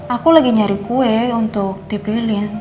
aku lagi nyari kue untuk tip lilin